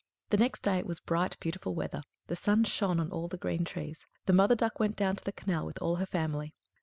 The next day it was bright, beautiful weather; the sun shone on all the green trees. The Mother Duck went down to the canal with all her family.